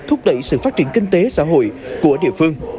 thúc đẩy sự phát triển kinh tế xã hội của địa phương